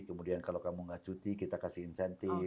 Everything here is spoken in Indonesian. kemudian kalau kamu gak cuti kita kasih insentif